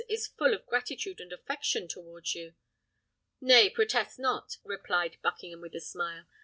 is full of gratitude and affection towards you." "Nay, protest not," replied Buckingham, with a smile.